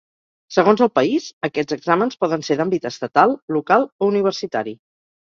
Segons el país, aquests exàmens poden ser d'àmbit estatal, local o universitari.